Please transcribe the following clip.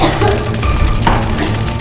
ya pak makasih ya pak